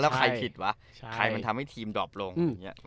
แล้วใครผิดวะใช่ใครมันทำให้ทีมดรอบลงอืมอย่างเงี้ย